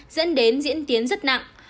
dẫn đến diễn tiến rất nặng